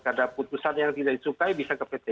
karena putusan yang tidak disukai bisa ke pt